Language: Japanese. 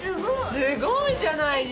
すごいじゃないよ！